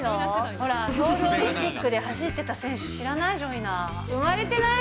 ほら、ソウルオリンピックで走ってた選手、知らない？